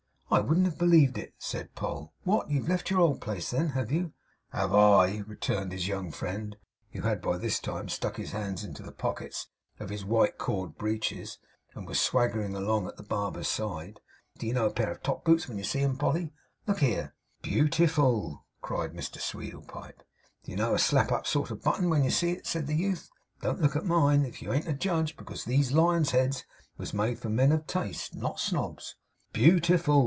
'I wouldn't have believed it,' said Poll. 'What! You've left your old place, then? Have you?' 'Have I!' returned his young friend, who had by this time stuck his hands into the pockets of his white cord breeches, and was swaggering along at the barber's side. 'D'ye know a pair of top boots when you see 'em, Polly? look here!' 'Beau ti ful' cried Mr Sweedlepipe. 'D'ye know a slap up sort of button, when you see it?' said the youth. 'Don't look at mine, if you ain't a judge, because these lions' heads was made for men of taste; not snobs.' 'Beau ti ful!